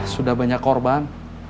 sudah banyak korban